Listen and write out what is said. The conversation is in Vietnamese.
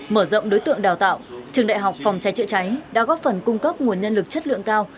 mở rộng đối tượng đào tạo trường đại học phòng cháy chữa cháy đã góp phần cung cấp nguồn nhân lực chất lượng cao